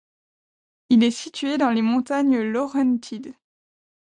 Il est situé dans les montagnes Laurentides.